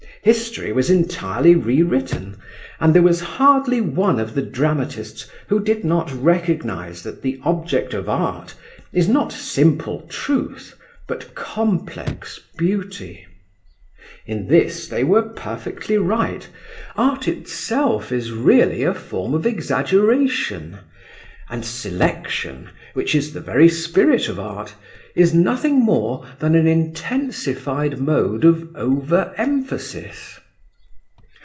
History was entirely re written, and there was hardly one of the dramatists who did not recognise that the object of Art is not simple truth but complex beauty. In this they were perfectly right. Art itself is really a form of exaggeration; and selection, which is the very spirit of art, is nothing more than an intensified mode of over emphasis.